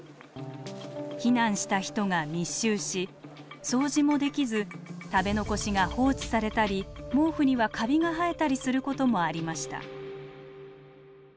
避難した人が密集し掃除もできず食べ残しが放置されたり毛布にはカビが生えたりすることもありました。